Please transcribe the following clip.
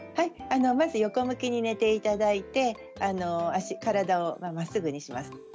まず横向きに寝ていただいて体をまっすぐにします。